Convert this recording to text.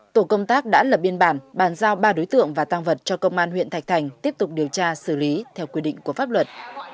tổ công tác đã lập biên bản bàn giao ba đối tượng và tăng vật cho công an huyện thạch thành tiếp tục điều tra xử lý theo quy định của pháp luật